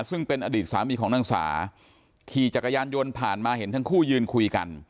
ซึ่งเป็นอดีตสามีของนางสาขี่จักรยานยนต์ผ่านมาเห็นทั้งคู่ยืนคุยกัน